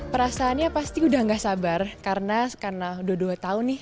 perasaannya pasti sudah tidak sabar karena sudah dua tahun nih